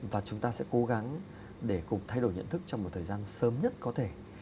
và chúng ta sẽ cố gắng để cùng thay đổi nhận thức trong một thời gian sớm nhất có thể